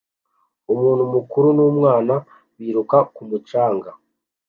Umuntu mukuru n'umwana biruka ku mucanga